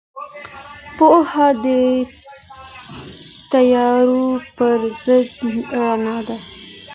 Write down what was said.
پوهه د تیارو پر ضد رڼا ده.